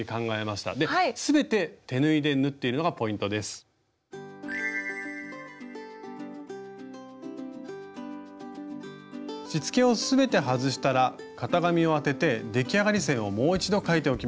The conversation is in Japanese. しつけを全て外したら型紙を当てて出来上がり線をもう一度描いておきましょう。